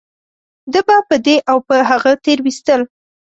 ده به په دې او په هغه تېرويستل .